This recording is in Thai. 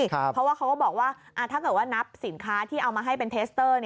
เพราะว่าเขาก็บอกว่าถ้าเกิดว่านับสินค้าที่เอามาให้เป็นเทสเตอร์